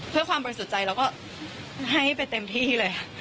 เพื่อความบริสุทธิ์ใจเราก็ให้ไปเต็มที่เลย